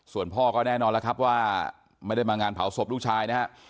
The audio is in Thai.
ส่วนพ่อก็แน่นอนแล้วครับว่าไม่ได้มางานเผาศพลูกชายนะฮะ